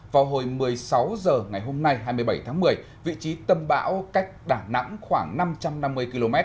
vào hồi một mươi sáu h ngày hôm nay hai mươi bảy tháng một mươi vị trí tâm bão cách đà nẵng khoảng năm trăm năm mươi km